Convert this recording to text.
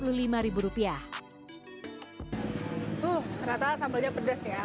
tuh ternyata sambalnya pedes ya